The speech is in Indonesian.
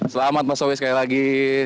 selamat mas sowi sekali lagi